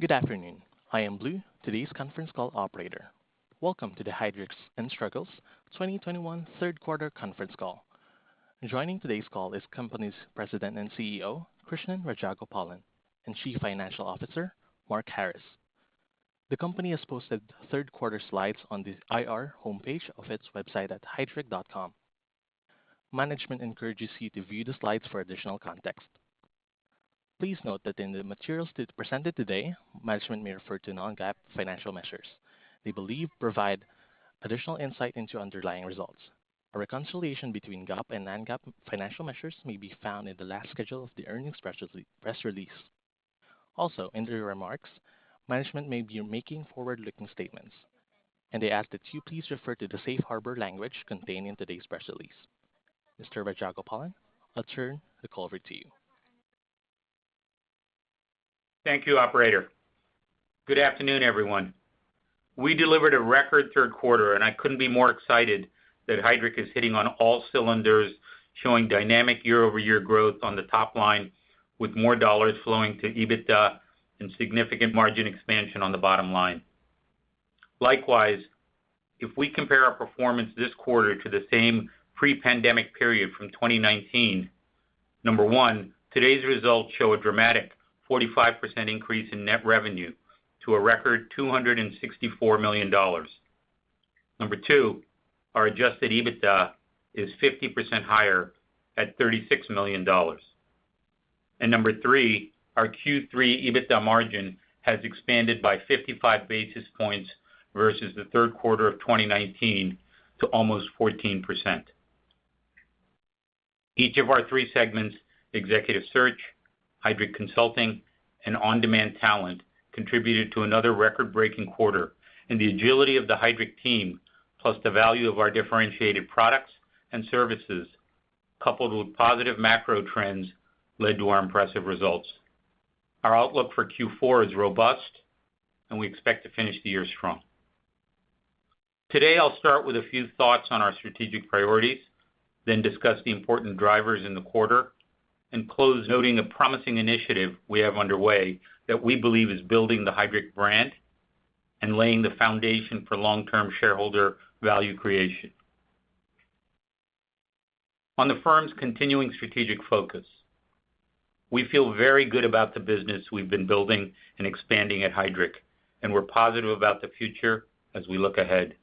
Good afternoon. I am Blue, today's conference call operator. Welcome to the Heidrick & Struggles 2021 third quarter conference call. Joining today's call is company's President and CEO, Krishnan Rajagopalan, and Chief Financial Officer, Mark Harris. The company has posted third quarter slides on the IR homepage of its website at heidrick.com. Management encourages you to view the slides for additional context. Please note that in the materials presented today, management may refer to non-GAAP financial measures they believe provide additional insight into underlying results. A reconciliation between GAAP and non-GAAP financial measures may be found in the last schedule of the earnings press release. In their remarks, management may be making forward-looking statements, and they ask that you please refer to the safe harbor language contained in today's press release. Mr. Rajagopalan, I'll turn the call over to you. Thank you, operator. Good afternoon, everyone. We delivered a record 3rd quarter, and I couldn't be more excited that Heidrick is hitting on all cylinders, showing dynamic year-over-year growth on the top line, with more dollars flowing to EBITDA and significant margin expansion on the bottom line. Likewise, if we compare our performance this quarter to the same pre-pandemic period from 2019, number 1, today's results show a dramatic 45% increase in net revenue to a record $264 million. Number 2, our adjusted EBITDA is 50% higher at $36 million. Number 3, our Q3 EBITDA margin has expanded by 55 basis points versus the 3rd quarter of 2019 to almost 14%. Each of our three segments, Executive Search, Heidrick Consulting, and On-Demand Talent, contributed to another record-breaking quarter, and the agility of the Heidrick team, plus the value of our differentiated products and services, coupled with positive macro trends, led to our impressive results. Our outlook for Q4 is robust, and we expect to finish the year strong. Today, I'll start with a few thoughts on our strategic priorities, then discuss the important drivers in the quarter, and close, noting a promising initiative we have underway that we believe is building the Heidrick brand and laying the foundation for long-term shareholder value creation. On the firm's continuing strategic focus, we feel very good about the business we've been building and expanding at Heidrick, and we're positive about the future as we look ahead.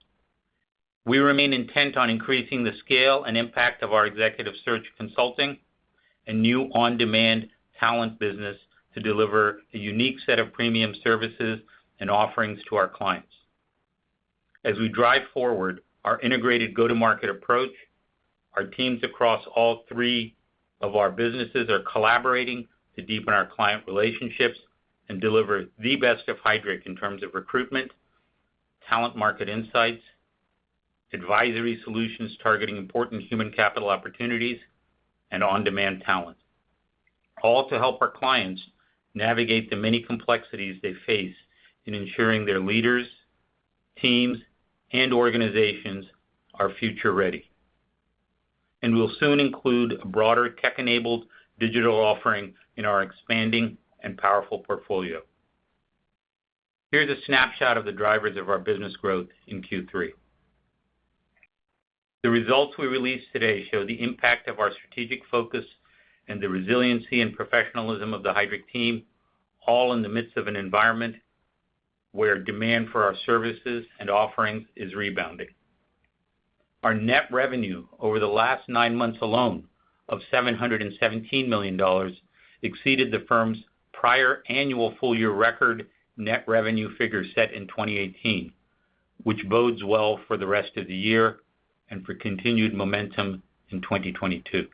We remain intent on increasing the scale and impact of our Executive Search consulting and new On-Demand Talent business to deliver a unique set of premium services and offerings to our clients. As we drive forward our integrated go-to-market approach, our teams across all three of our businesses are collaborating to deepen our client relationships and deliver the best of Heidrick in terms of recruitment, talent market insights, advisory solutions targeting important human capital opportunities, and On- Demand Talent, all to help our clients navigate the many complexities they face in ensuring their leaders, teams, and organizations are future-ready. We'll soon include a broader tech-enabled digital offering in our expanding and powerful portfolio. Here's a snapshot of the drivers of our business growth in Q3. The results we released today show the impact of our strategic focus and the resiliency and professionalism of the Heidrick team, all in the midst of an environment where demand for our services and offerings is rebounding. Our net revenue over the last 9 months alone, of $717 million, exceeded the firm's prior annual full-year record net revenue figure set in 2018, which bodes well for the rest of the year and for continued momentum in 2022.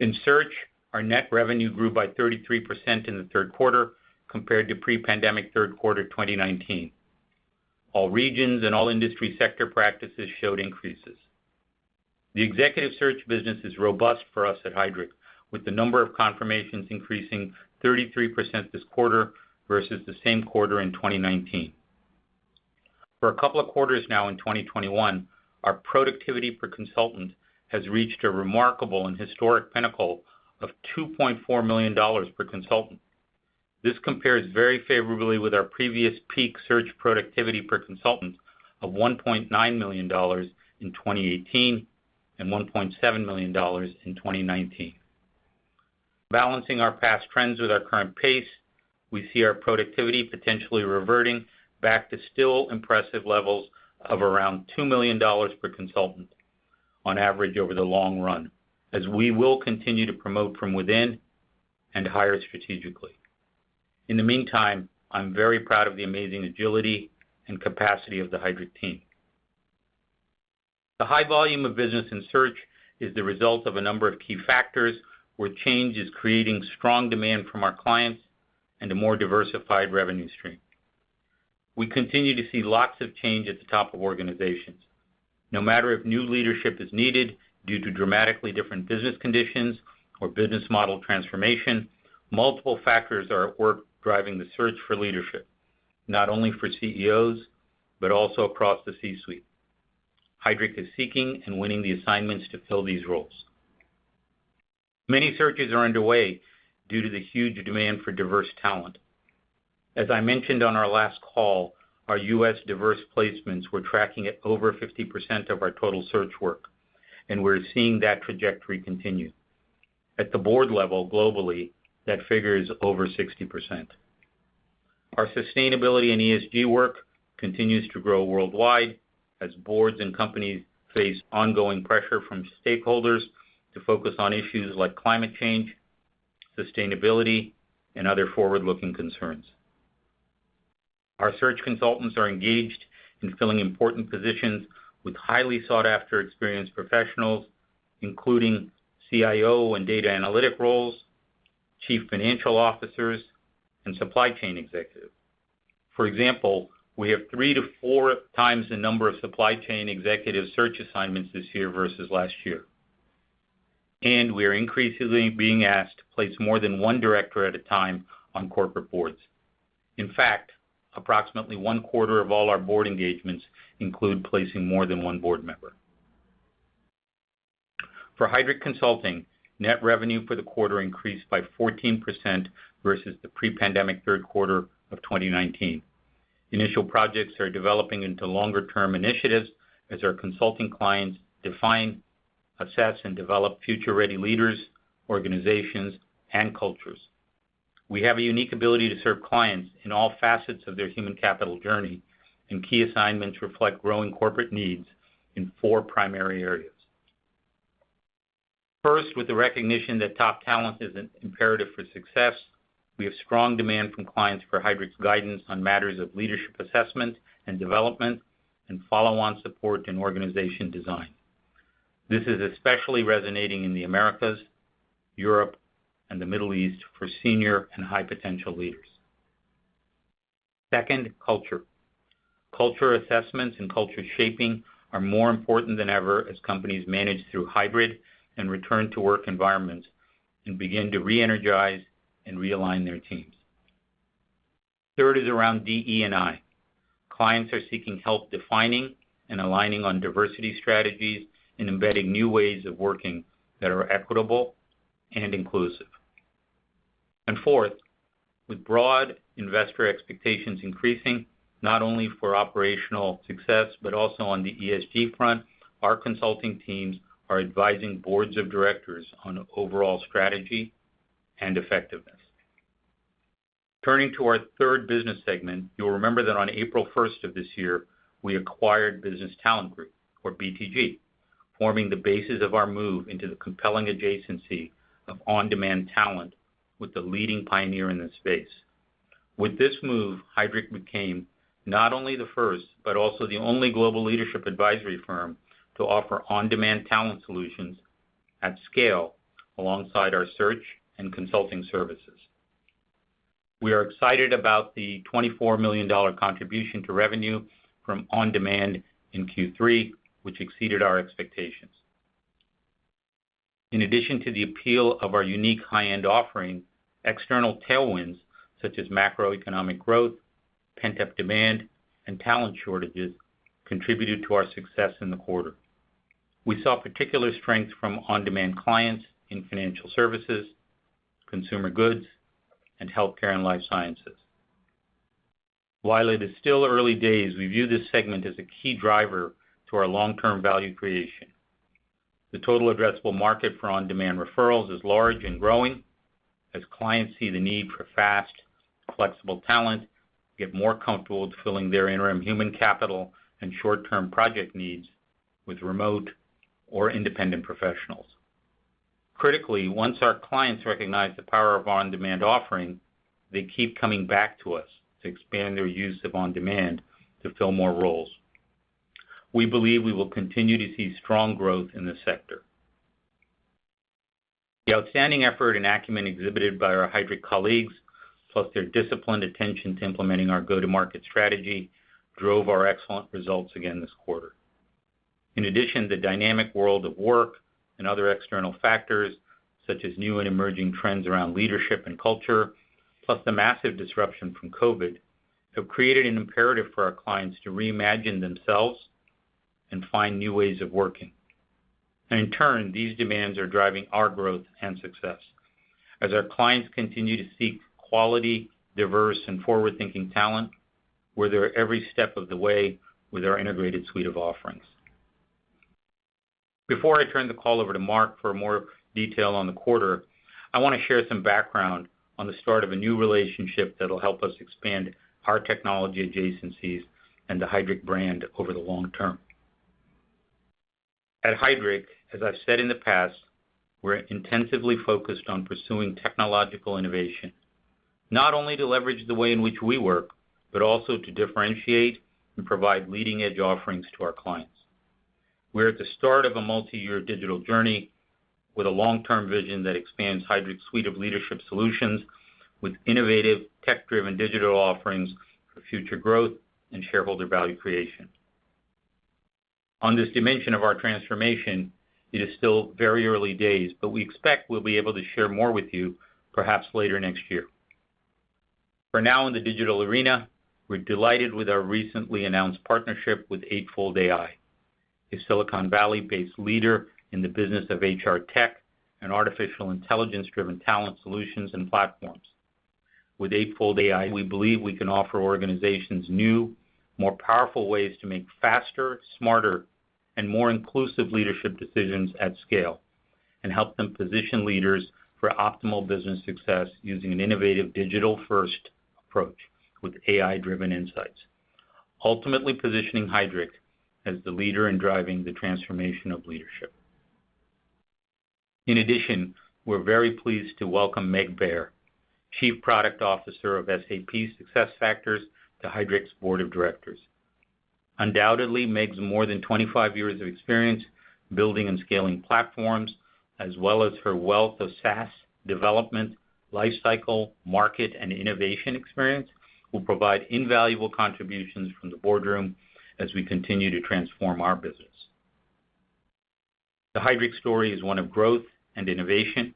In Executive Search, our net revenue grew by 33% in the 3rd quarter compared to pre-pandemic 3rd quarter 2019. All regions and all industry sector practices showed increases. The Executive Search business is robust for us at Heidrick, with the number of confirmations increasing 33% this quarter versus the same quarter in 2019. For a couple of quarters now in 2021, our productivity per consultant has reached a remarkable and historic pinnacle of $2.4 million per consultant. This compares very favorably with our previous peak search productivity per consultant of $1.9 million in 2018 and $1.7 million in 2019. Balancing our past trends with our current pace, we see our productivity potentially reverting back to still impressive levels of around $2 million per consultant on average over the long run, as we will continue to promote from within and hire strategically. In the meantime, I'm very proud of the amazing agility and capacity of the Heidrick team. The high volume of business in search is the result of a number of key factors where change is creating strong demand from our clients and a more diversified revenue stream. We continue to see lots of change at the top of organizations. No matter if new leadership is needed due to dramatically different business conditions or business model transformation, multiple factors are at work driving the search for leadership, not only for CEOs, but also across the C-suite. Heidrick is seeking and winning the assignments to fill these roles. Many searches are underway due to the huge demand for diverse talent. As I mentioned on our last call, our U.S. diverse placements were tracking at over 50% of our total search work, and we're seeing that trajectory continue. At the board level globally, that figure is over 60%. Our sustainability and ESG work continues to grow worldwide as boards and companies face ongoing pressure from stakeholders to focus on issues like climate change, sustainability, and other forward-looking concerns. Our search consultants are engaged in filling important positions with highly sought-after experienced professionals, including CIO and data analytic roles, chief financial officers, and supply chain executives. For example, we have 3 to 4x the number of supply chain executive search assignments this year versus last year. We are increasingly being asked to place more than 1 director at a time on corporate boards. In fact, approximately one-quarter of all our board engagements include placing more than 1 board member. For Heidrick Consulting, net revenue for the quarter increased by 14% versus the pre-pandemic third quarter of 2019. Initial projects are developing into longer-term initiatives as our consulting clients define, assess, and develop future-ready leaders, organizations, and cultures. We have a unique ability to serve clients in all facets of their human capital journey, and key assignments reflect growing corporate needs in four primary areas. First, with the recognition that top talent is imperative for success, we have strong demand from clients for Heidrick's guidance on matters of leadership assessment and development and follow-on support and organization design. This is especially resonating in the Americas, Europe, and the Middle East for senior and high-potential leaders. Second, culture. Culture assessments and culture shaping are more important than ever as companies manage through hybrid and return-to-work environments and begin to reenergize and realign their teams. Third is around DE&I. Clients are seeking help defining and aligning on diversity strategies and embedding new ways of working that are equitable and inclusive. Fourth, with broad investor expectations increasing, not only for operational success but also on the ESG front, our consulting teams are advising boards of directors on overall strategy and effectiveness. Turning to our third business segment, you'll remember that on April 1st of this year, we acquired Business Talent Group, or BTG, forming the basis of our move into the compelling adjacency of On-Demand Talent with the leading pioneer in this space. With this move, Heidrick became not only the first but also the only global leadership advisory firm to offer on-demand talent solutions at scale alongside our search and consulting services. We are excited about the $24 million contribution to revenue from On-Demand Talent in Q3, which exceeded our expectations. In addition to the appeal of our unique high-end offering, external tailwinds such as macroeconomic growth, pent-up demand, and talent shortages contributed to our success in the quarter. We saw particular strength from On-Demand Talent clients in financial services, consumer goods, and healthcare and life sciences. While it is still early days, we view this segment as a key driver to our long-term value creation. The total addressable market for on-demand referrals is large and growing as clients see the need for fast, flexible talent, get more comfortable with filling their interim human capital and short-term project needs with remote or independent professionals. Critically, once our clients recognize the power of our on-demand offering, they keep coming back to us to expand their use of on-demand to fill more roles. We believe we will continue to see strong growth in this sector. The outstanding effort and acumen exhibited by our Heidrick colleagues, plus their disciplined attention to implementing our go-to-market strategy, drove our excellent results again this quarter. In addition, the dynamic world of work and other external factors, such as new and emerging trends around leadership and culture, plus the massive disruption from COVID, have created an imperative for our clients to reimagine themselves and find new ways of working. In turn, these demands are driving our growth and success. As our clients continue to seek quality, diverse, and forward-thinking talent, we're there every step of the way with our integrated suite of offerings. Before I turn the call over to Mark for more detail on the quarter, I want to share some background on the start of a new relationship that'll help us expand our technology adjacencies and the Heidrick brand over the long term. At Heidrick, as I've said in the past, we're intensively focused on pursuing technological innovation, not only to leverage the way in which we work, but also to differentiate and provide leading-edge offerings to our clients. We're at the start of a multi-year digital journey with a long-term vision that expands Heidrick's suite of leadership solutions with innovative, tech-driven digital offerings for future growth and shareholder value creation. On this dimension of our transformation, it is still very early days, but we expect we'll be able to share more with you perhaps later next year. For now in the digital arena, we're delighted with our recently announced partnership with Eightfold AI, a Silicon Valley-based leader in the business of HR tech and artificial intelligence-driven talent solutions and platforms. With Eightfold AI, we believe we can offer organizations new, more powerful ways to make faster, smarter, and more inclusive leadership decisions at scale, and help them position leaders for optimal business success using an innovative digital-first approach with AI-driven insights, ultimately positioning Heidrick as the leader in driving the transformation of leadership. In addition, we're very pleased to welcome Meg Bear, Chief Product Officer of SAP SuccessFactors, to Heidrick's board of directors. Undoubtedly, Meg's more than 25 years of experience building and scaling platforms, as well as her wealth of SaaS development, life cycle, market, and innovation experience, will provide invaluable contributions from the boardroom as we continue to transform our business. The Heidrick story is one of growth and innovation.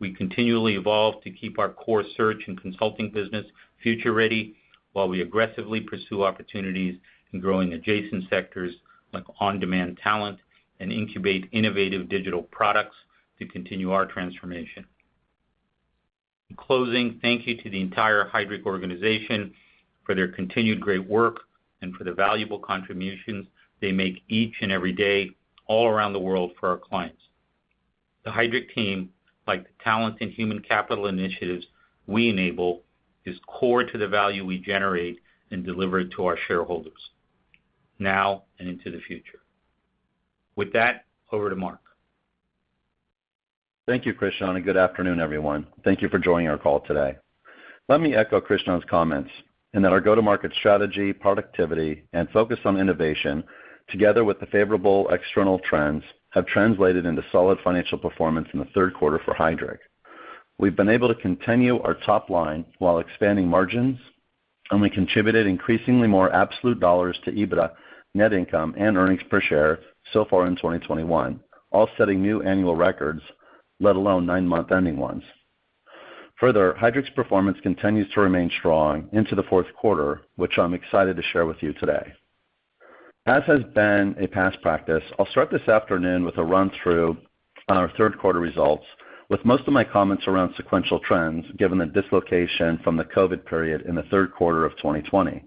We continually evolve to keep our core search and consulting business future-ready, while we aggressively pursue opportunities in growing adjacent sectors like On-Demand Talent, and incubate innovative digital products to continue our transformation. In closing, thank you to the entire Heidrick organization for their continued great work and for the valuable contributions they make each and every day all around the world for our clients. The Heidrick team, like the talent and human capital initiatives we enable, is core to the value we generate and deliver to our shareholders now and into the future. With that, over to Mark. Thank you, Krishnan. Good afternoon, everyone. Thank you for joining our call today. Let me echo Krishnan's comments, in that our go-to-market strategy, productivity, and focus on innovation, together with the favorable external trends, have translated into solid financial performance in the third quarter for Heidrick. We've been able to continue our top line while expanding margins. We contributed increasingly more absolute dollars to EBITDA, net income, and earnings per share so far in 2021, all setting new annual records, let alone nine-month ending ones. Further, Heidrick's performance continues to remain strong into the fourth quarter, which I'm excited to share with you today. As has been a past practice, I'll start this afternoon with a run through on our third quarter results, with most of my comments around sequential trends, given the dislocation from the COVID period in the third quarter of 2020.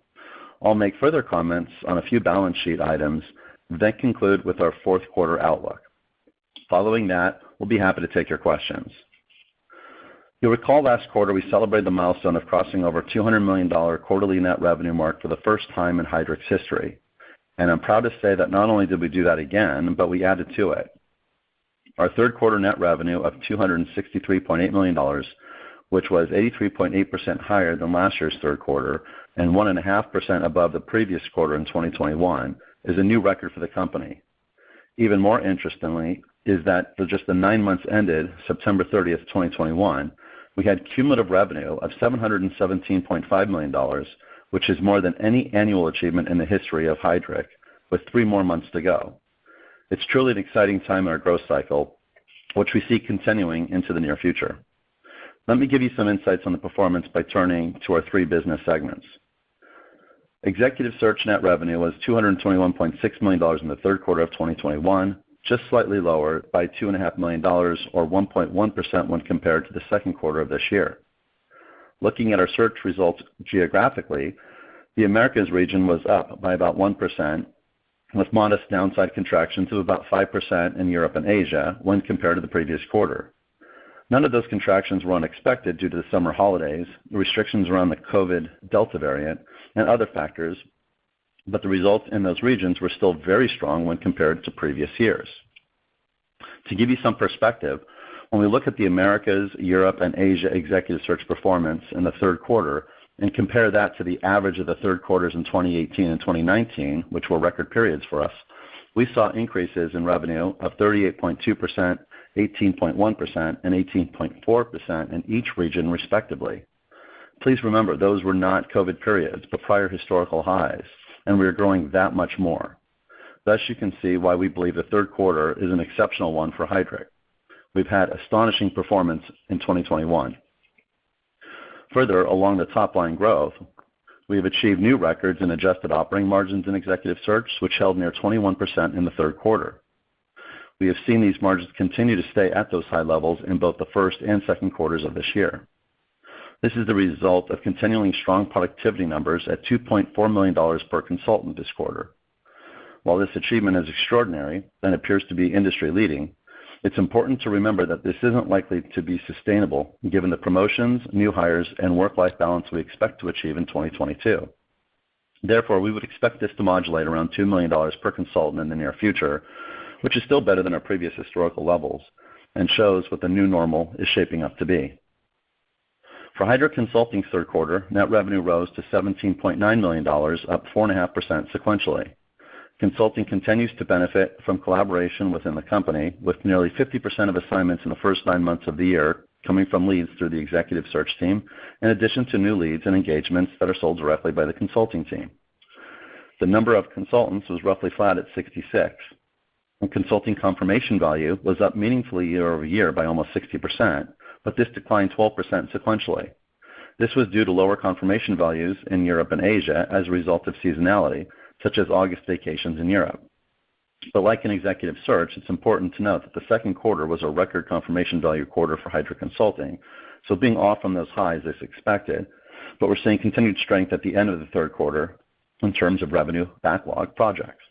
I'll make further comments on a few balance sheet items, then conclude with our fourth quarter outlook. Following that, we'll be happy to take your questions. You'll recall last quarter, we celebrated the milestone of crossing over $200 million quarterly net revenue mark for the first time in Heidrick's history. I'm proud to say that not only did we do that again, but we added to it. Our third quarter net revenue of $263.8 million, which was 83.8% higher than last year's third quarter and 1.5% above the previous quarter in 2021, is a new record for the company. Even more interestingly is that for just the nine months ended September 30th, 2021, we had cumulative revenue of $717.5 million, which is more than any annual achievement in the history of Heidrick, with three more months to go. It's truly an exciting time in our growth cycle, which we see continuing into the near future. Let me give you some insights on the performance by turning to our three business segments. Executive Search net revenue was $221.6 million in the 3rd quarter of 2021, just slightly lower by $2.5 million or 1.1% when compared to the 2nd quarter of this year. Looking at our search results geographically, the Americas region was up by about 1%, with modest downside contraction to about 5% in Europe and Asia when compared to the previous quarter. None of those contractions were unexpected due to the summer holidays, restrictions around the COVID Delta variant, and other factors, but the result in those regions were still very strong when compared to previous years. To give you some perspective, when we look at the Americas, Europe, and Asia Executive Search performance in the third quarter and compare that to the average of the third quarters in 2018 and 2019, which were record periods for us, we saw increases in revenue of 38.2%, 18.1%, and 18.4% in each region respectively. Please remember, those were not COVID periods, but prior historical highs, and we are growing that much more. You can see why we believe the third quarter is an exceptional one for Heidrick. We've had astonishing performance in 2021. Further along the top-line growth, we have achieved new records in adjusted operating margins in Executive Search, which held near 21% in the third quarter. We have seen these margins continue to stay at those high levels in both the first and second quarters of this year. This is the result of continuing strong productivity numbers at $2.4 million per consultant this quarter. While this achievement is extraordinary and appears to be industry-leading, it's important to remember that this isn't likely to be sustainable given the promotions, new hires, and work-life balance we expect to achieve in 2022. Therefore, we would expect this to modulate around $2 million per consultant in the near future, which is still better than our previous historical levels and shows what the new normal is shaping up to be. For Heidrick Consulting's third quarter, net revenue rose to $17.9 million, up 4.5% sequentially. Consulting continues to benefit from collaboration within the company, with nearly 50% of assignments in the first nine months of the year coming from leads through the Executive Search team, in addition to new leads and engagements that are sold directly by the consulting team. The number of consultants was roughly flat at 66, and consulting confirmation value was up meaningfully year-over-year by almost 60%, but this declined 12% sequentially. This was due to lower confirmation values in Europe and Asia as a result of seasonality, such as August vacations in Europe. Like in executive search, it's important to note that the second quarter was a record confirmation value quarter for Heidrick Consulting, so being off from those highs is expected, but we're seeing continued strength at the end of the third quarter in terms of revenue backlog projects.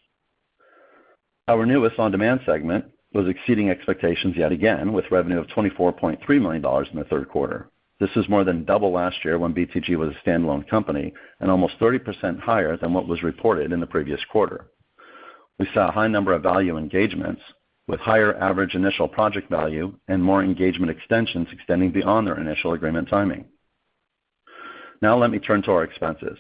Our newest on-demand segment was exceeding expectations yet again, with revenue of $24.3 million in the third quarter. This is more than double last year when BTG was a standalone company, and almost 30% higher than what was reported in the previous quarter. We saw a high number of value engagements with higher average initial project value and more engagement extensions extending beyond their initial agreement timing. Now let me turn to our expenses.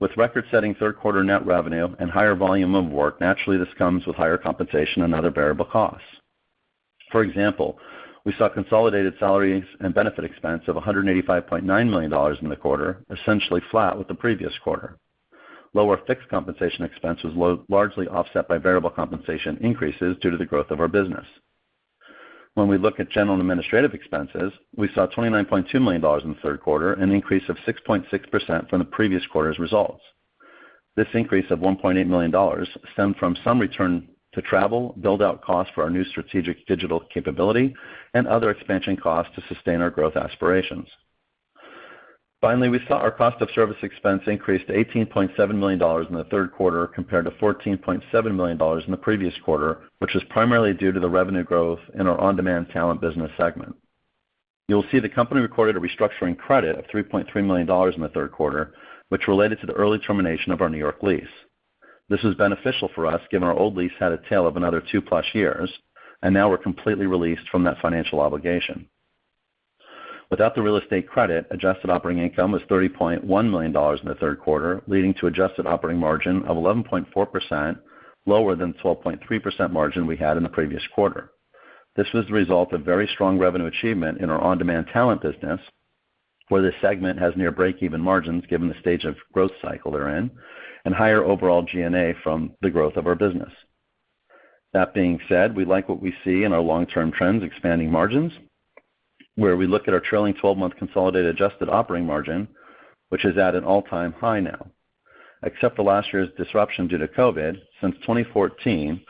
With record-setting third quarter net revenue and higher volume of work, naturally, this comes with higher compensation and other variable costs. For example, we saw consolidated salaries and benefit expense of $185.9 million in the quarter, essentially flat with the previous quarter. Lower fixed compensation expenses largely offset by variable compensation increases due to the growth of our business. When we look at general and administrative expenses, we saw $29.2 million in the third quarter, an increase of 6.6% from the previous quarter's results. This increase of $1.8 million stemmed from some return to travel, build-out costs for our new strategic digital capability, and other expansion costs to sustain our growth aspirations. Finally, we saw our cost of service expense increase to $18.7 million in the third quarter compared to $14.7 million in the previous quarter, which was primarily due to the revenue growth in our On-Demand Talent business segment. You'll see the company recorded a restructuring credit of $3.3 million in the third quarter, which related to the early termination of our New York lease. This was beneficial for us, given our old lease had a tail of another two-plus years, and now we're completely released from that financial obligation. Without the real estate credit, adjusted operating income was $30.1 million in the third quarter, leading to adjusted operating margin of 11.4%, lower than the 12.3% margin we had in the previous quarter. This was the result of very strong revenue achievement in our On-Demand Talent business, where this segment has near break-even margins given the stage of growth cycle they're in, and higher overall G&A from the growth of our business. That being said, we like what we see in our long-term trends expanding margins, where we look at our trailing 12-month consolidated adjusted operating margin, which is at an all-time high now. Except for last year's disruption due to COVID, since 2014,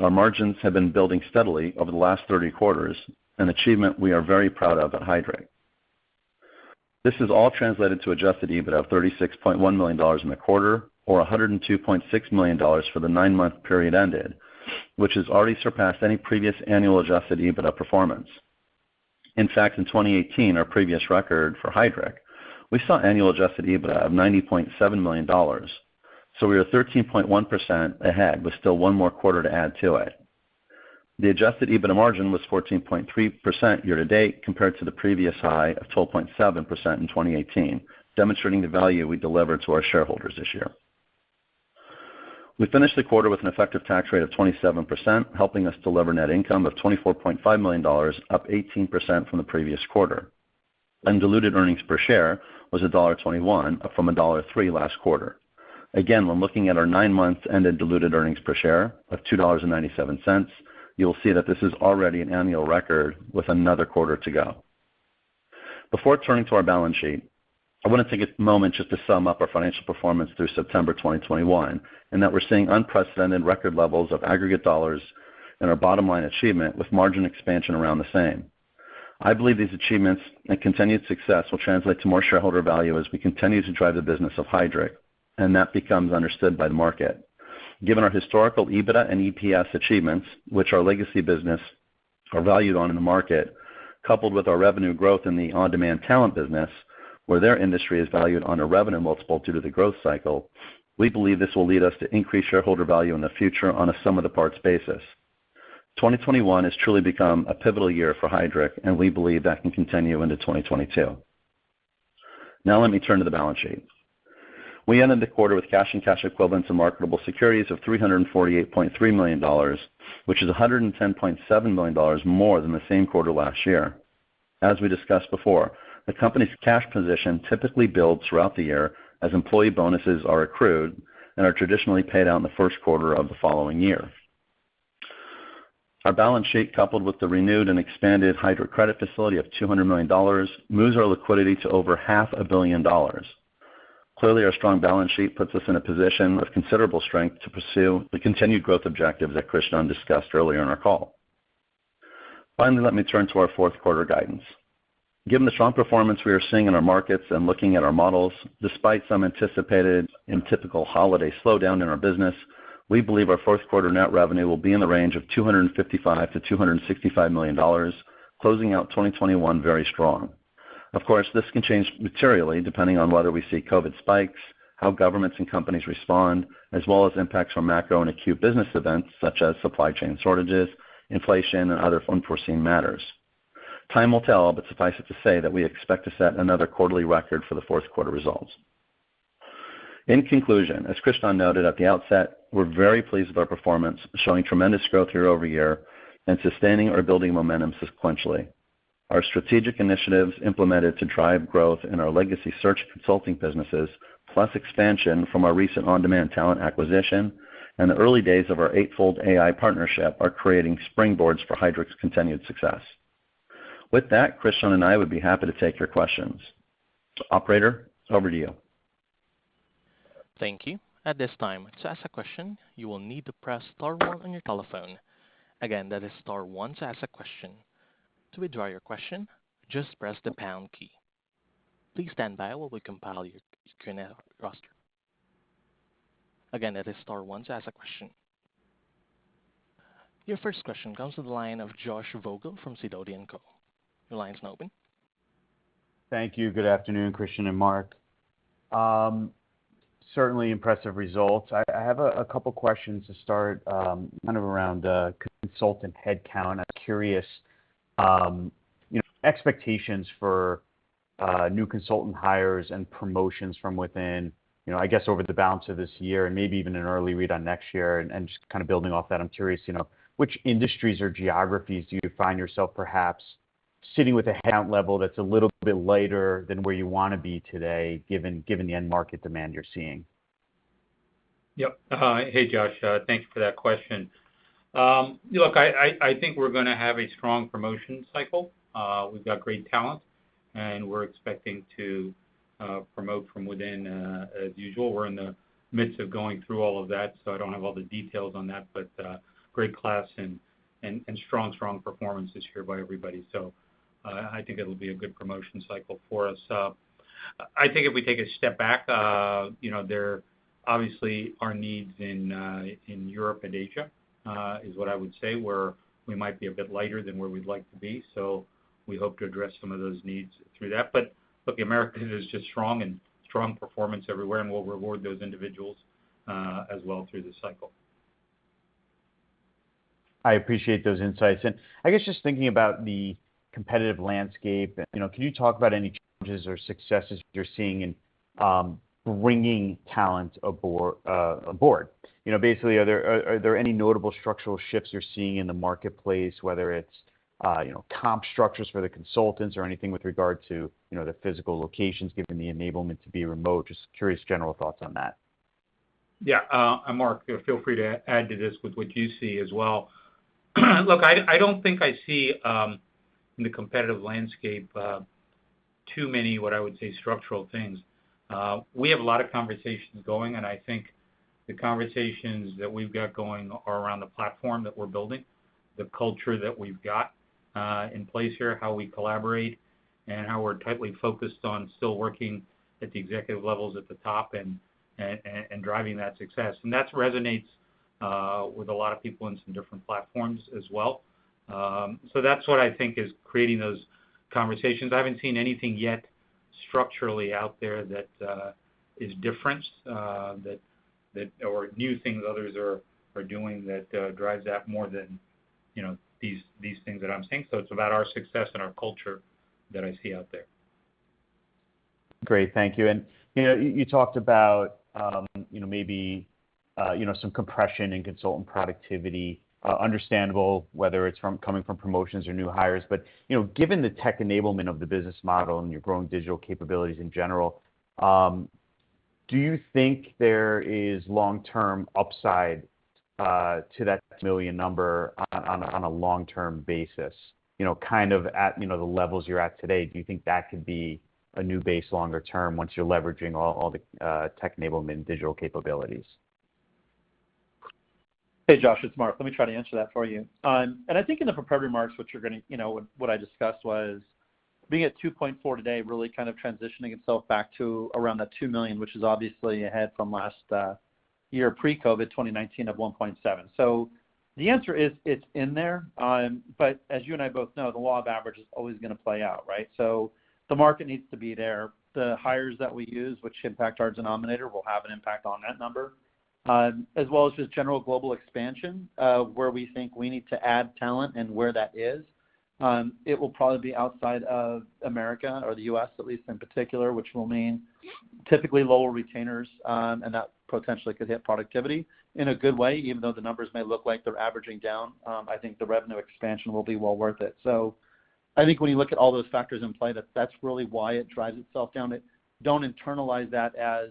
our margins have been building steadily over the last 30 quarters, an achievement we are very proud of at Heidrick & Struggles. This has all translated to adjusted EBITDA of $36.1 million in the quarter, or $102.6 million for the nine-month period ended, which has already surpassed any previous annual adjusted EBITDA performance. In fact, in 2018, our previous record for Heidrick, we saw annual adjusted EBITDA of $90.7 million. We are 13.1% ahead with still one more quarter to add to it. The adjusted EBITDA margin was 14.3% year-to-date compared to the previous high of 12.7% in 2018, demonstrating the value we deliver to our shareholders this year. We finished the quarter with an effective tax rate of 27%, helping us deliver net income of $24.5 million, up 18% from the previous quarter. Diluted earnings per share was $1.21 up from $1.03 last quarter. Again, when looking at our nine months ended diluted earnings per share of $2.97, you'll see that this is already an annual record with another quarter to go. Before turning to our balance sheet, I want to take a moment just to sum up our financial performance through September 2021, in that we're seeing unprecedented record levels of aggregate dollars in our bottom line achievement with margin expansion around the same. I believe these achievements and continued success will translate to more shareholder value as we continue to drive the business of Heidrick, and that becomes understood by the market. Given our historical EBITDA and EPS achievements, which our legacy business are valued on in the market, coupled with our revenue growth in the On-Demand Talent business, where their industry is valued on a revenue multiple due to the growth cycle, we believe this will lead us to increase shareholder value in the future on a sum-of-the-parts basis. 2021 has truly become a pivotal year for Heidrick, and we believe that can continue into 2022. Let me turn to the balance sheet. We ended the quarter with cash and cash equivalents and marketable securities of $348.3 million, which is $110.7 million more than the same quarter last year. As we discussed before, the company's cash position typically builds throughout the year as employee bonuses are accrued and are traditionally paid out in the first quarter of the following year. Our balance sheet, coupled with the renewed and expanded Heidrick credit facility of $200 million, moves our liquidity to over half a billion dollars. Clearly, our strong balance sheet puts us in a position of considerable strength to pursue the continued growth objectives that Krishnan discussed earlier in our call. Finally, let me turn to our fourth quarter guidance. Given the strong performance we are seeing in our markets and looking at our models, despite some anticipated and typical holiday slowdown in our business, we believe our fourth quarter net revenue will be in the range of $255 to 265 million, closing out 2021 very strong. Of course, this can change materially depending on whether we see COVID spikes, how governments and companies respond, as well as impacts from macro and acute business events such as supply chain shortages, inflation, and other unforeseen matters. Time will tell, but suffice it to say that we expect to set another quarterly record for the fourth quarter results. In conclusion, as Krishnan noted at the outset, we're very pleased with our performance, showing tremendous growth year-over-year and sustaining or building momentum sequentially. Our strategic initiatives implemented to drive growth in our legacy search consulting businesses, plus expansion from our recent on-demand talent acquisition, and the early days of our Eightfold AI partnership are creating springboards for Heidrick's continued success. With that, Krishnan and I would be happy to take your questions. Operator, over to you. Thank you. At this time, to ask a question, you will need to press star-one on your telephone. Again, that is star-one to ask a question. To withdraw your question, just press the pound key. Please stand by while we compile your roster. Again, that is star-one to ask a question. Your first question comes to the line of Josh Vogel from Sidoti & Co. Your line's now open. Thank you. Good afternoon, Krishnan and Mark. Certainly impressive results. I have a couple questions to start around consultant headcount. I'm curious, expectations for new consultant hires and promotions from within, I guess over the balance of this year and maybe even an early read on next year. Just kind of building off that, I'm curious, which industries or geographies do you find yourself perhaps sitting with a headcount level that's a little bit lighter than where you want to be today, given the end market demand you're seeing? Yep. Hey, Josh. Thanks for that question. Look, I think we're going to have a strong promotion cycle. We've got great talent, and we're expecting to promote from within as usual. We're in the midst of going through all of that, so I don't have all the details on that, but great class and strong performances here by everybody. I think it'll be a good promotion cycle for us. I think if we take a step back, obviously our needs in Europe and Asia is what I would say, where we might be a bit lighter than where we'd like to be. We hope to address some of those needs through that. Look, the Americas is just strong and strong performance everywhere, and we'll reward those individuals, as well through the cycle. I appreciate those insights. I guess just thinking about the competitive landscape, can you talk about any changes or successes that you're seeing in bringing talent aboard? Basically, are there any notable structural shifts you're seeing in the marketplace, whether it's comp structures for the consultants or anything with regard to the physical locations, given the enablement to be remote? Just curious general thoughts on that. Yeah. Mark, feel free to add to this with what you see as well. Look, I don't think I see, in the competitive landscape, too many, what I would say, structural things. We have a lot of conversations going, I think the conversations that we've got going are around the platform that we're building, the culture that we've got in place here, how we collaborate, and how we're tightly focused on still working at the executive levels at the top and driving that success. That resonates with a lot of people in some different platforms as well. That's what I think is creating those conversations. I haven't seen anything yet structurally out there that is different or new things others are doing that drives that more than these things that I'm seeing. It's about our success and our culture that I see out there. Great. Thank you. You talked about maybe some compression in consultant productivity. Understandable, whether it's coming from promotions or new hires. Given the tech enablement of the business model and your growing digital capabilities in general, do you think there is long-term upside to that $1 million number on a long-term basis? At the levels you're at today, do you think that could be a new base longer term once you're leveraging all the tech enablement and digital capabilities? Hey, Josh, it's Mark. Let me try to answer that for you. I think in the prepared remarks, what I discussed was being at $2.4 today really kind of transitioning itself back to around that $2 million, which is obviously ahead from last year pre-COVID 2019 of $1.7. The answer is it's in there. As you and I both know, the law of average is always going to play out, right? The market needs to be there. The hires that we use, which impact our denominator, will have an impact on that number, as well as just general global expansion, where we think we need to add talent and where that is. It will probably be outside of America or the U.S., at least in particular, which will mean typically lower retainers, and that potentially could hit productivity in a good way, even though the numbers may look like they're averaging down. I think the revenue expansion will be well worth it. I think when you look at all those factors in play, that's really why it drives itself down. Don't internalize that as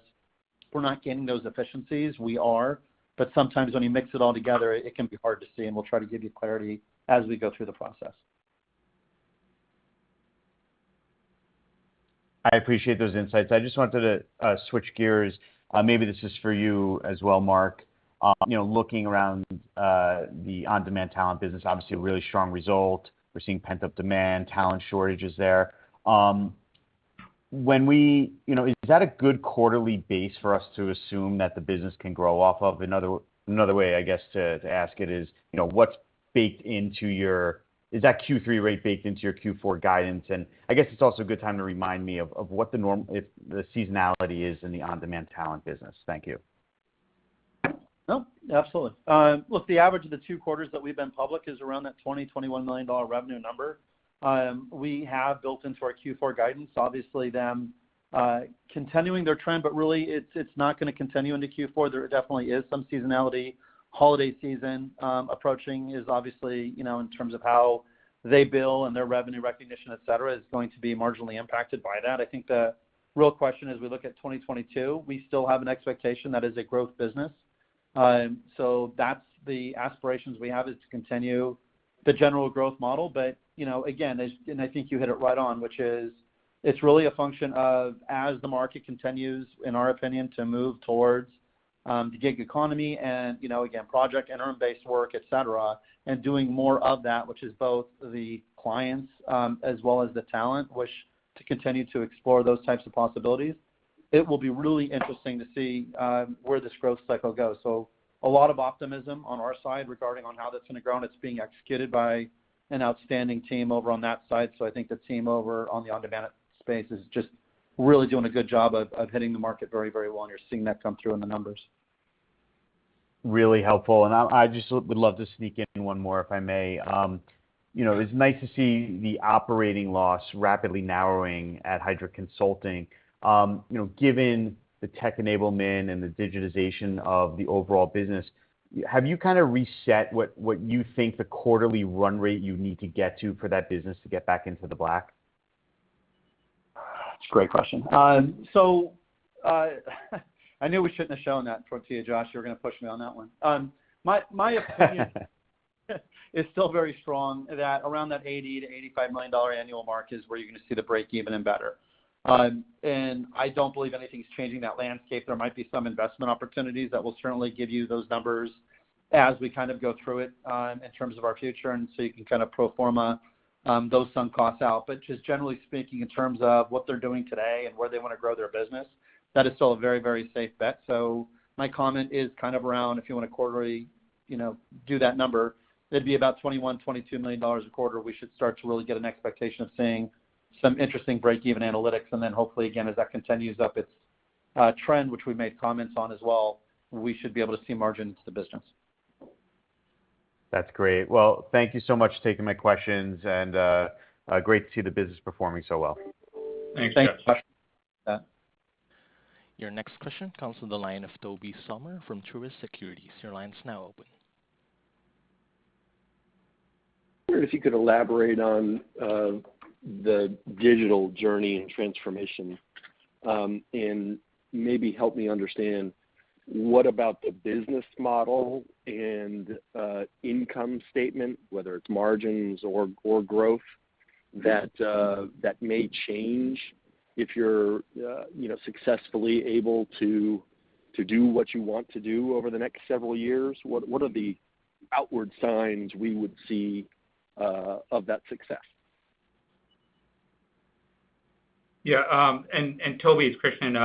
we're not getting those efficiencies. We are, but sometimes when you mix it all together, it can be hard to see, and we'll try to give you clarity as we go through the process. I appreciate those insights. I just wanted to switch gears. Maybe this is for you as well, Mark. Looking around the On-Demand Talent business, obviously a really strong result. We're seeing pent-up demand, talent shortages there. Is that a good quarterly base for us to assume that the business can grow off of? Another way, I guess, to ask it is that Q3 rate baked into your Q4 guidance? And I guess it's also a good time to remind me of what the seasonality is in the On-Demand Talent business. Thank you. No, absolutely. Look, the average of the two quarters that we've been public is around that $20, $21 million revenue number. Really, it's not going to continue into Q4. There definitely is some seasonality. Holiday season approaching is obviously, in terms of how they bill and their revenue recognition, et cetera, is going to be marginally impacted by that. I think the real question as we look at 2022, we still have an expectation that is a growth business. That's the aspirations we have, is to continue the general growth model. Again, and I think you hit it right on, which is it's really a function of as the market continues, in our opinion, to move towards the gig economy and again, project and interim-based work, et cetera, and doing more of that, which is both the clients as well as the talent wish to continue to explore those types of possibilities. It will be really interesting to see where this growth cycle goes. A lot of optimism on our side regarding on how that's going to grow, and it's being executed by an outstanding team over on that side. I think the team over on the On-Demand space is just really doing a good job of hitting the market very well, and you're seeing that come through in the numbers. Really helpful. I just would love to sneak in one more, if I may. It's nice to see the operating loss rapidly narrowing at Heidrick Consulting. Given the tech enablement and the digitization of the overall business, have you kind of reset what you think the quarterly run rate you need to get to for that business to get back into the black? That's a great question. I knew we shouldn't have shown that tortilla, Josh. You were going to push me on that one. My opinion is still very strong that around that $80 million-$85 million annual mark is where you're going to see the breakeven and better. I don't believe anything's changing that landscape. There might be some investment opportunities that will certainly give you those numbers as we kind of go through it in terms of our future, you can kind of pro forma those some costs out. Just generally speaking, in terms of what they're doing today and where they want to grow their business, that is still a very safe bet. My comment is kind of around if you want to quarterly do that number, it'd be about $21 to 22 million a quarter, we should start to really get an expectation of seeing some interesting breakeven analytics, and then hopefully, again, as that continues up its trend, which we made comments on as well, we should be able to see margin into the business. That's great. Well, thank you so much for taking my questions, and great to see the business performing so well. Thanks, Josh. Thanks. Your next question comes from the line of Tobey Sommer from Truist Securities. Your line's now open. I wonder if you could elaborate on the digital journey and transformation, and maybe help me understand, what about the business model and income statement, whether it's margins or growth, that may change if you're successfully able to do what you want to do over the next several years? What are the outward signs we would see of that success? Yeah, Tobey, it's Krishnan.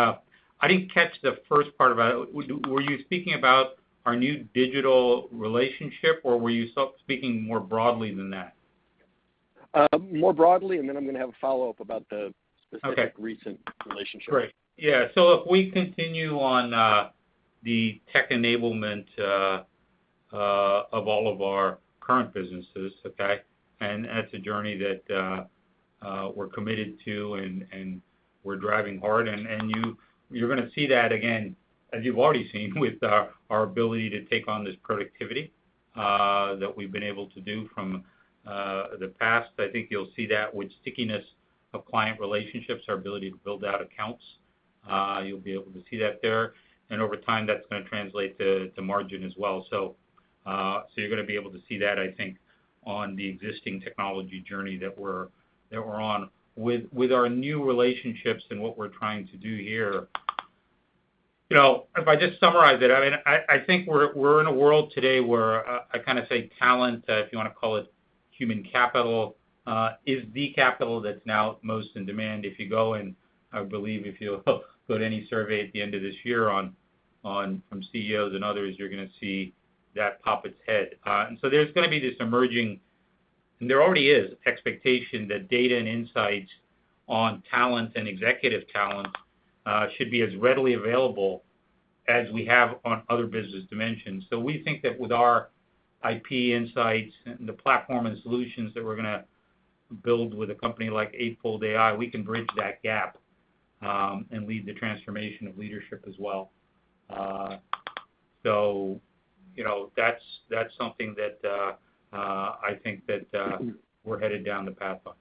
I didn't catch the first part about it. Were you speaking about our new digital relationship, or were you speaking more broadly than that? More broadly, and then I'm going to have a follow-up about the specific. Okay recent relationship. Great. Yeah. If we continue on the tech enablement of all of our current businesses, okay? That's a journey that we're committed to and we're driving hard, and you're going to see that again, as you've already seen, with our ability to take on this productivity that we've been able to do from the past. I think you'll see that with stickiness of client relationships, our ability to build out accounts. You'll be able to see that there. Over time, that's going to translate to margin as well. You're going to be able to see that, I think, on the existing technology journey that we're on. With our new relationships and what we're trying to do here, if I just summarize it, I think we're in a world today where I say talent, if you want to call it human capital, is the capital that's now most in demand. If you go and, I believe, if you go to any survey at the end of this year from CEOs and others, you're going to see that pop its head. There's going to be this emerging, and there already is, expectation that data and insights on talent and executive talent should be as readily available as we have on other business dimensions. We think that with our IP insights and the platform and solutions that we're going to build with a company like Eightfold AI, we can bridge that gap, and lead the transformation of leadership as well. That's something that I think that we're headed down the path on.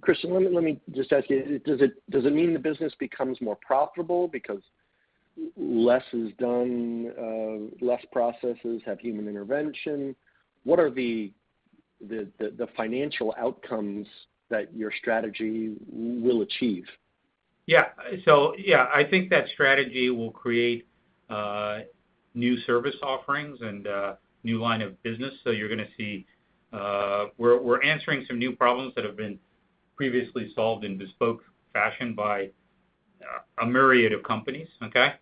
Krishnan, let me just ask you, does it mean the business becomes more profitable because less is done, less processes have human intervention? What are the financial outcomes that your strategy will achieve? Yeah. I think that strategy will create new service offerings and a new line of business. You're going to see we're answering some new problems that have been previously solved in bespoke fashion by a myriad of companies. Okay?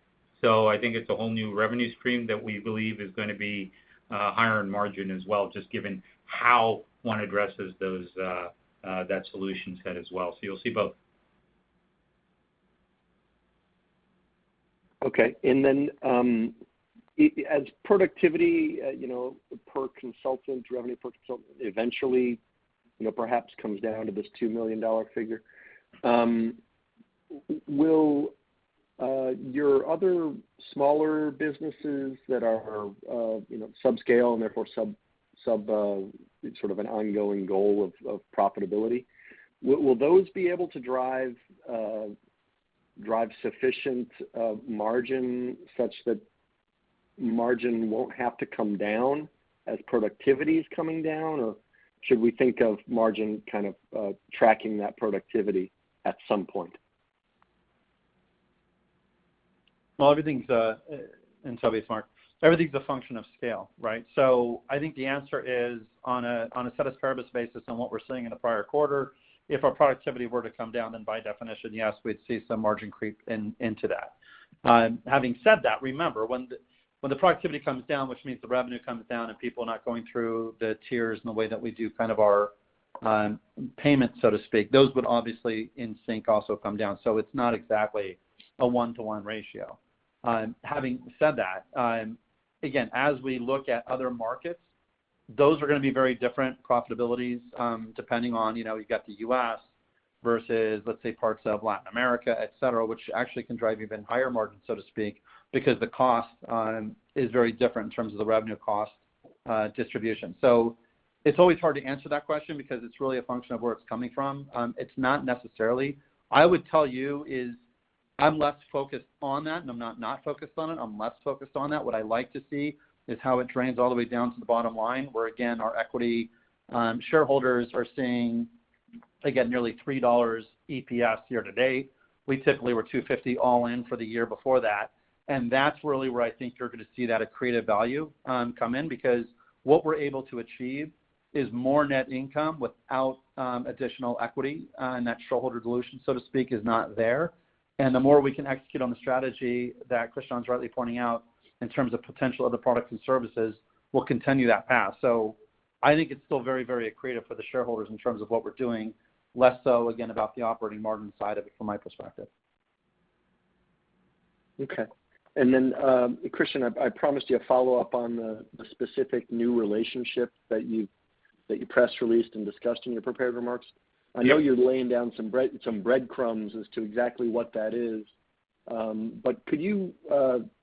I think it's a whole new revenue stream that we believe is going to be higher in margin as well, just given how one addresses that solution set as well. You'll see both Okay. As productivity per consultant, revenue per consultant, eventually perhaps comes down to this $2 million figure. Will your other smaller businesses that are sub-scale and therefore sort of an ongoing goal of profitability, will those be able to drive sufficient margin such that margin won't have to come down as productivity is coming down? Should we think of margin kind of tracking that productivity at some point? Everything's, and sorry, Mark. Everything's a function of scale, right? I think the answer is on a status quo basis on what we're seeing in the prior quarter, if our productivity were to come down, then by definition, yes, we'd see some margin creep into that. Having said that, remember, when the productivity comes down, which means the revenue comes down and people not going through the tiers in the way that we do kind of our payments, so to speak, those would obviously in sync also come down. It's not exactly a one-to-one ratio. Having said that, again, as we look at other markets, those are going to be very different profitabilities, depending on, you've got the U.S. versus, let's say, parts of Latin America, et cetera, which actually can drive even higher margins, so to speak, because the cost is very different in terms of the revenue cost distribution. It's always hard to answer that question because it's really a function of where it's coming from. It's I would tell you is I'm less focused on that, and I'm not not focused on it. I'm less focused on that. What I like to see is how it drains all the way down to the bottom line, where again, our equity shareholders are seeing, again, nearly $3 EPS year to date. We typically were $250 all in for the year before that, and that's really where I think you're going to see that accretive value come in, because what we're able to achieve is more net income without additional equity, and that shareholder dilution, so to speak, is not there. The more we can execute on the strategy that Krishnan's rightly pointing out in terms of potential other products and services, we'll continue that path. I think it's still very accretive for the shareholders in terms of what we're doing, less so, again, about the operating margin side of it, from my perspective. Okay. Krishnan, I promised you a follow-up on the specific new relationship that you press released and discussed in your prepared remarks. Yeah. I know you're laying down some breadcrumbs as to exactly what that is, but could you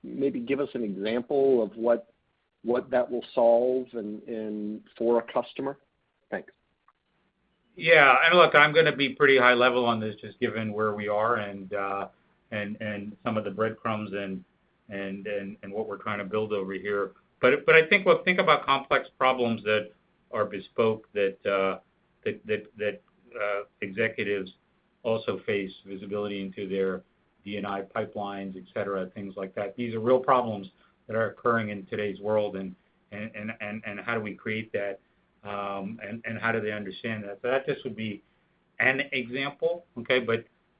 maybe give us an example of what that will solve for a customer? Thanks. Yeah. Look, I'm going to be pretty high level on this, just given where we are and some of the breadcrumbs and what we're trying to build over here. I think about complex problems that are bespoke, that executives also face visibility into their D&I pipelines, et cetera, things like that. These are real problems that are occurring in today's world, and how do we create that, and how do they understand that? That just would be an example, okay?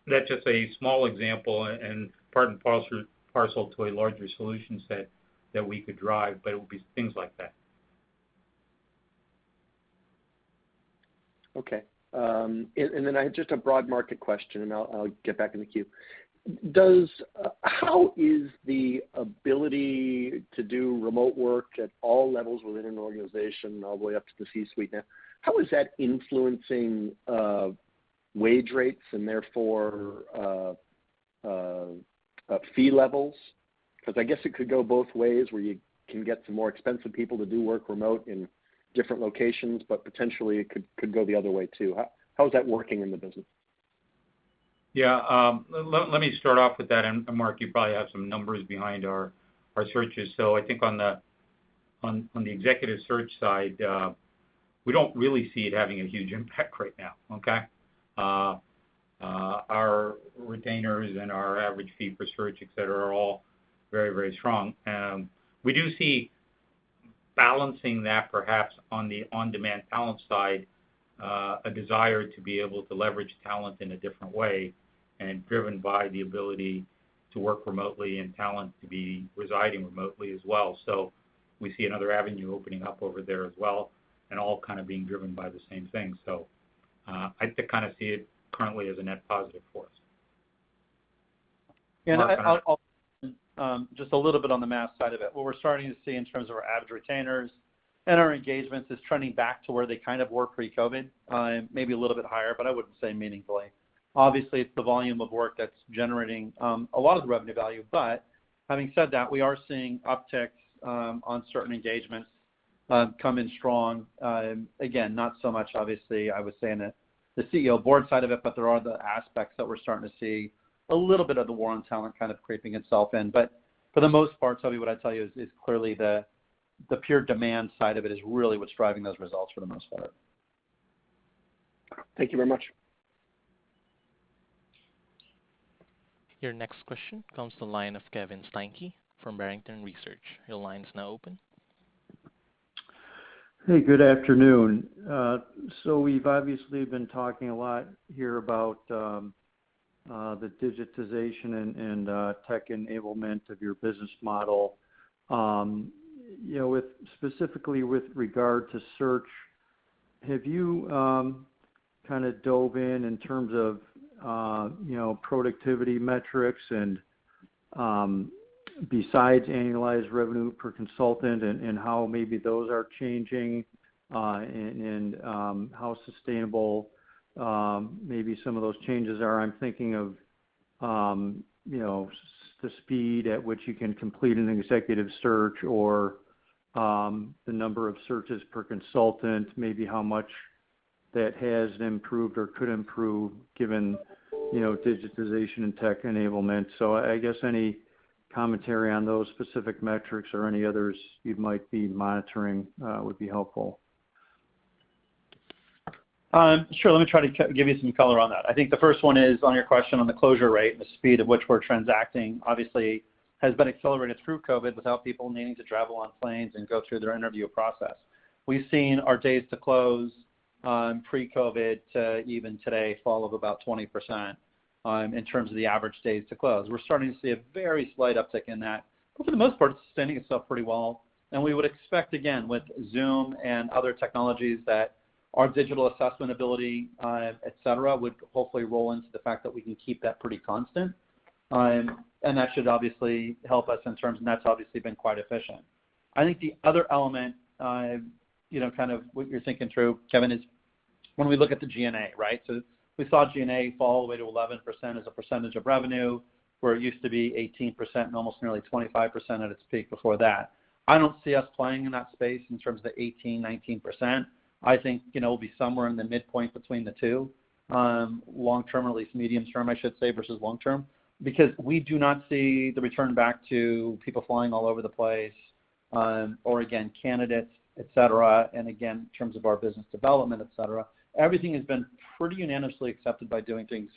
That's just a small example and part and parcel to a larger solution set that we could drive, but it would be things like that. Okay. I had just a broad market question, and I'll get back in the queue. How is the ability to do remote work at all levels within an organization, all the way up to the C-suite now, how is that influencing wage rates and therefore fee levels? I guess it could go two ways, where you can get some more expensive people to do work remote in different locations, but potentially it could go the other way, too. How is that working in the business? Let me start off with that. Mark, you probably have some numbers behind our searches. I think on the Executive Search side, we don't really see it having a huge impact right now, okay? Our retainers and our average fee per search, et cetera, are all very strong. We do see balancing that perhaps on the On-Demand Talent side, a desire to be able to leverage talent in a different way and driven by the ability to work remotely and talent to be residing remotely as well. We see another avenue opening up over there as well. All kind of being driven by the same thing. I kind of see it currently as a net positive for us. Mark, go ahead. Just a little bit on the math side of it. What we're starting to see in terms of our average retainers and our engagements is trending back to where they kind of were pre-COVID, maybe a little bit higher, but I wouldn't say meaningfully. Obviously, it's the volume of work that's generating a lot of the revenue value. Having said that, we are seeing upticks on certain engagements come in strong. Again, not so much, obviously, I would say in the CEO board side of it, but there are the aspects that we're starting to see a little bit of the war on talent kind of creeping itself in. For the most part, Tobey, what I'd tell you is clearly the pure demand side of it is really what's driving those results for the most part. Thank you very much. Your next question comes to the line of Kevin Steinke from Barrington Research. Your line is now open. Hey, good afternoon. We've obviously been talking a lot here about the digitization and tech enablement of your business model. Specifically with regard to search. Have you dove in terms of productivity metrics and besides annualized revenue per consultant, and how maybe those are changing, and how sustainable maybe some of those changes are? I'm thinking of the speed at which you can complete an Executive Search or the number of searches per consultant, maybe how much that has improved or could improve given digitization and tech enablement. I guess any commentary on those specific metrics or any others you might be monitoring would be helpful. Sure. Let me try to give you some color on that. I think the first one is on your question on the closure rate and the speed at which we're transacting obviously has been accelerated through COVID without people needing to travel on planes and go through their interview process. We've seen our days to close, pre-COVID to even today fall of about 20% in terms of the average days to close. We're starting to see a very slight uptick in that, but for the most part, it's standing itself pretty well. We would expect, again, with Zoom and other technologies that our digital assessment ability, et cetera, would hopefully roll into the fact that we can keep that pretty constant. That should obviously help us, and that's obviously been quite efficient. I think the other element, kind of what you're thinking through, Kevin, is when we look at the G&A, right? We saw G&A fall all the way to 11% as a percentage of revenue, where it used to be 18% and almost nearly 25% at its peak before that. I don't see us playing in that space in terms of the 18%-19%. I think it'll be somewhere in the midpoint between the two, long term, or at least medium term, I should say, versus long term, because we do not see the return back to people flying all over the place, or again, candidates, et cetera. Again, in terms of our business development, et cetera, everything has been pretty unanimously accepted by doing things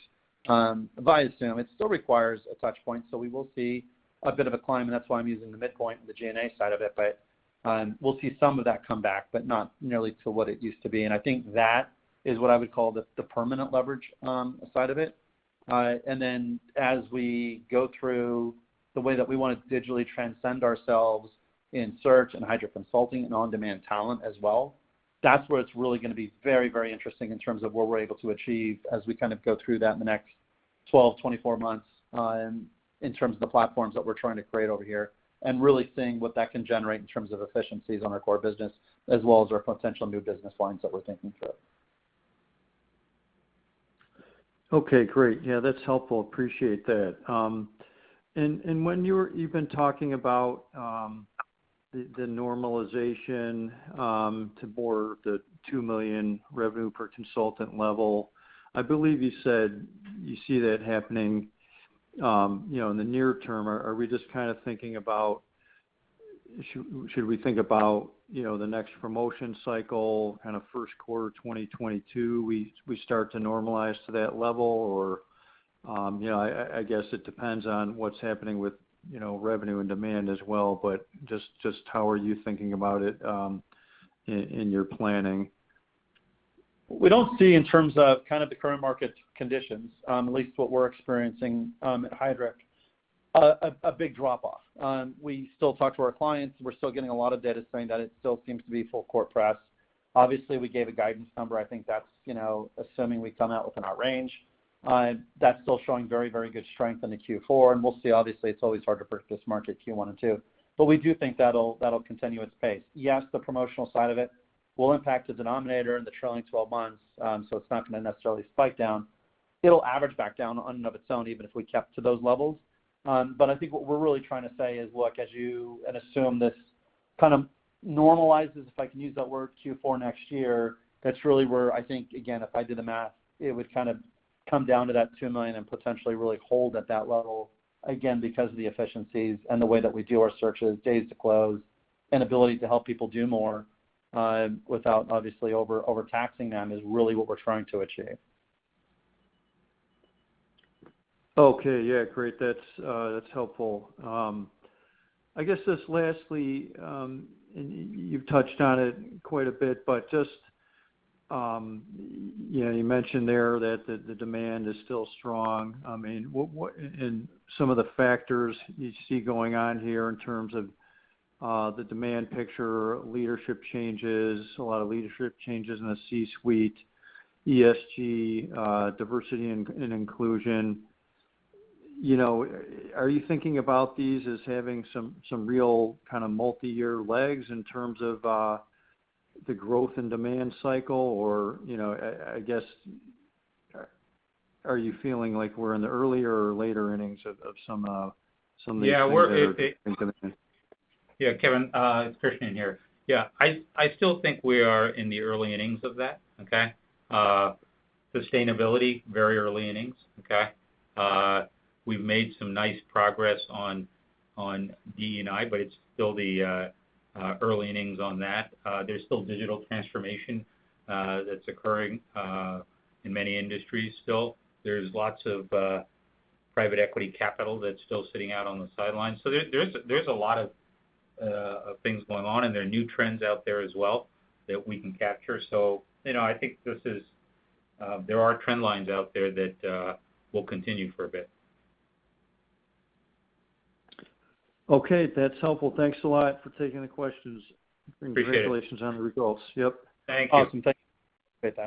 via Zoom. It still requires a touch point. We will see a bit of a climb. That's why I'm using the midpoint on the G&A side of it. We'll see some of that come back, but not nearly to what it used to be. I think that is what I would call the permanent leverage side of it. As we go through the way that we want to digitally transcend ourselves in search and Heidrick Consulting and On-Demand Talent as well, that's where it's really going to be very interesting in terms of what we're able to achieve as we kind of go through that in the next 12, 24 months in terms of the platforms that we're trying to create over here and really seeing what that can generate in terms of efficiencies on our core business as well as our potential new business lines that we're thinking through. Okay, great. Yeah, that's helpful. Appreciate that. When you've been talking about the normalization toward the $2 million revenue per consultant level, I believe you said you see that happening, in the near term. Are we just kind of thinking about should we think about the next promotion cycle kind of first quarter 2022, we start to normalize to that level? I guess it depends on what's happening with revenue and demand as well, but just how are you thinking about it in your planning? We don't see in terms of kind of the current market conditions, at least what we're experiencing at Heidrick, a big drop-off. We still talk to our clients. We're still getting a lot of data saying that it still seems to be full court press. Obviously, we gave a guidance number. I think that's assuming we come out within our range. That's still showing very good strength into Q4, and we'll see. Obviously, it's always hard to predict this market Q1 and Q2. We do think that'll continue its pace. Yes, the promotional side of it will impact the denominator in the trailing 12 months, so it's not going to necessarily spike down. It'll average back down on and of its own, even if we kept to those levels. I think what we're really trying to say is, look, as you assume this kind of normalizes, if I can use that word, Q4 next year, that's really where I think, again, if I did the math, it would kind of come down to that $2 million and potentially really hold at that level, again, because of the efficiencies and the way that we do our searches, days to close, and ability to help people do more, without obviously over-taxing them is really what we're trying to achieve. Okay. Yeah, great. That's helpful. I guess just lastly, and you've touched on it quite a bit, but just you mentioned there that the demand is still strong. Some of the factors you see going on here in terms of the demand picture, leadership changes, a lot of leadership changes in the C-suite, ESG, diversity and inclusion. Are you thinking about these as having some real kind of multi-year legs in terms of the growth and demand cycle? I guess, are you feeling like we're in the earlier or later innings of some of these things you're thinking of? Kevin, it' Krishnan here. I still think we are in the early innings of that. Okay? Sustainability, very early innings. Okay? We've made some nice progress on DE&I, but it's still the early innings on that. There's still digital transformation that's occurring in many industries still. There's lots of private equity capital that's still sitting out on the sidelines. There's a lot of things going on, and there are new trends out there as well that we can capture. I think there are trend lines out there that will continue for a bit. Okay, that's helpful. Thanks a lot for taking the questions. Appreciate it. Congratulations on the results. Yep. Thank you. Awesome. Thank you. Appreciate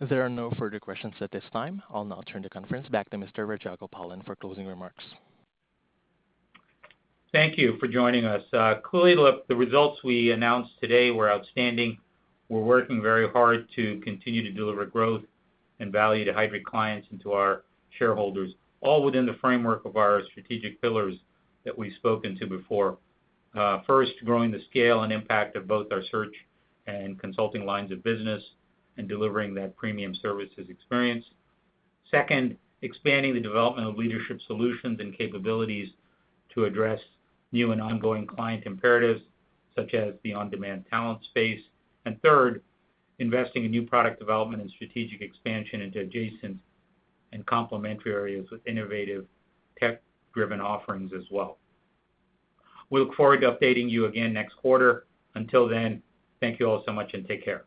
that. There are no further questions at this time. I'll now turn the conference back to Mr. Rajagopalan for closing remarks. Thank you for joining us. Clearly, the results we announced today were outstanding. We're working very hard to continue to deliver growth and value to Heidrick clients and to our shareholders, all within the framework of our strategic pillars that we've spoken to before. First, growing the scale and impact of both our search and consulting lines of business and delivering that premium services experience. Second, expanding the development of leadership solutions and capabilities to address new and ongoing client imperatives such as the on-demand talent space. Third, investing in new product development and strategic expansion into adjacent and complementary areas with innovative tech-driven offerings as well. We look forward to updating you again next quarter. Until then, thank you all so much and take care.